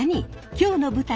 今日の舞台